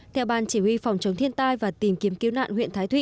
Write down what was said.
theo ban chỉ huy phòng chống thiên tai và tìm kiếm cứu nạn huyện thái thụy